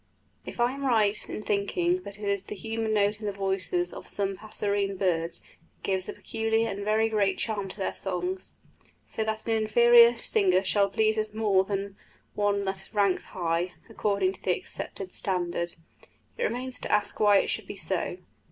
If I am right in thinking that it is the human note in the voices of some passerine birds that gives a peculiar and very great charm to their songs, so that an inferior singer shall please us more than one that ranks high, according to the accepted standard, it remains to ask why it should be so.